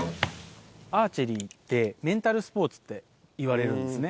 アーチェリーって、メンタルスポーツっていわれるんですね。